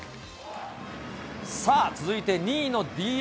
さあ、続いて２位のＤｅＮＡ。